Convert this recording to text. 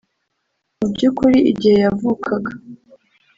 Mu by’ukuri igihe yavukaga